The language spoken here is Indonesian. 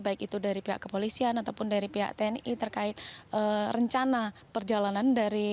baik itu dari pihak kepolisian ataupun dari pihak tni terkait rencana perjalanan